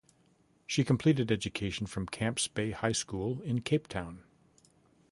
She completed education from Camps Bay High School in Cape Town.